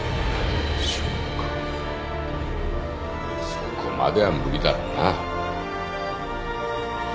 そこまでは無理だろうな。